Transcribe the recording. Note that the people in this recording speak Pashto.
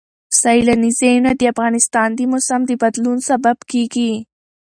سیلاني ځایونه د افغانستان د موسم د بدلون سبب کېږي.